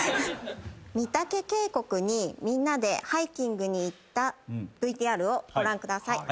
御岳渓谷にみんなでハイキングに行ったＶＴＲをご覧ください。